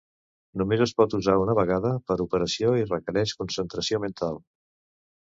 Només es pot usar una vegada per operació i requereix concentració mental.